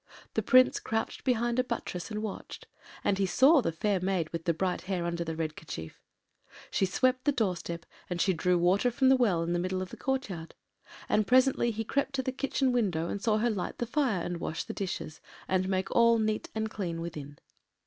The Prince crouched behind a buttress and watched, and he saw the fair maid with the bright hair under the red kerchief. She swept the doorstep, and she drew water from the well in the middle of the courtyard; and presently he crept to the kitchen window and saw her light the fire and wash the dishes, and make all neat and clean within.